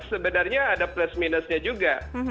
sebenarnya ada plus minusnya juga